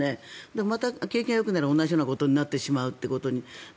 また景気がよくなれば同じようなことになってしまうということに。